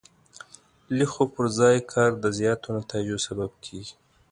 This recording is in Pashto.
لږ خو پر ځای کار د زیاتو نتایجو سبب کېږي.